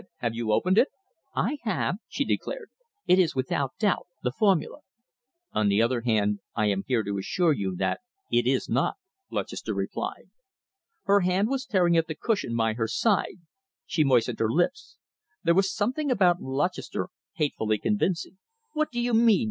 Have you opened it?" "I have," she declared. "It is without doubt, the formula." "On the other hand, I am here to assure you that it is not," Lutchester replied. Her hand was tearing at the cushion by her side. She moistened her lips. There was something about Lutchester hatefully convincing. "What do you mean?"